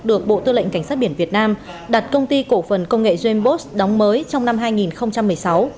được bộ tư lệnh cảnh sát biển việt nam đặt công ty cổ phần công nghệ jamesbot đóng mới trong năm hai nghìn một mươi sáu